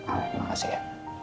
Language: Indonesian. amin terima kasih ya